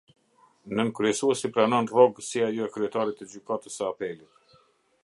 Nën-kryesuesi pranon rrogë si ajo e Kryetarit të Gjykatës së Apelit.